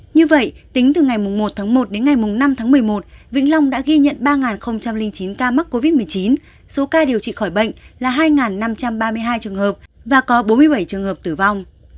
như vậy tính từ ngày một tháng một đến ngày năm tháng một mươi một vĩnh long đã ghi nhận ba chín ca mắc covid một mươi chín số ca điều trị khỏi bệnh là hai năm trăm ba mươi hai trường hợp và có bốn mươi bảy trường hợp tử vong